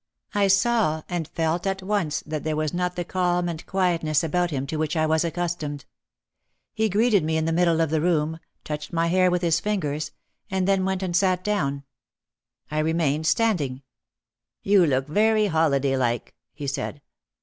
I saw and felt at once that there was not the calm and quietness about him to which I was accustomed. He greeted me in the middle of the room, touched my hair with his fingers, and then went and sat down. I remained standing. "You look very holiday like," he said.